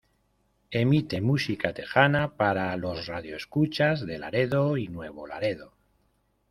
Emite música tejana para los radio escuchas de Laredo y Nuevo Laredo.